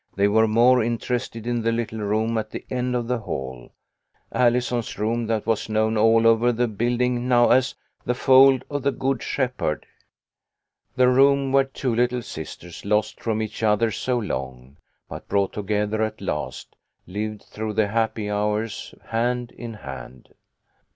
They were more interested in the little room at the end of A HAPPY CHRISTMAS. 221 the hall, Allison's room, that was known all over the building now as " The Fold of the Good Shep herd." The room where two little sisters lost from each other so long, but brought together at last, lived through the happy hours, hand in hand.